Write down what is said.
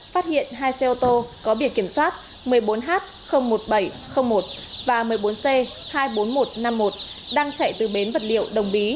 phát hiện hai xe ô tô có biển kiểm soát một mươi bốn h một nghìn bảy trăm linh một và một mươi bốn c hai mươi bốn nghìn một trăm năm mươi một đang chạy từ bến vật liệu đồng bí